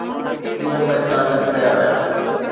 ڪئين پئسا گڏ ڪيا ويا